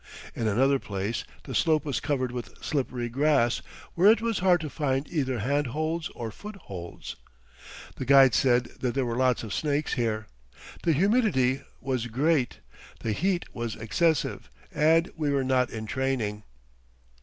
In another place the slope was covered with slippery grass where it was hard to find either handholds or footholds. The guide said that there were lots of snakes here. The humidity was great, the heat was excessive, and we were not in training.